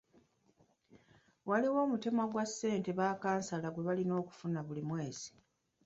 Waliwo omutemwa gwa ssente ba kansala gwe balina okufuna buli mwezi.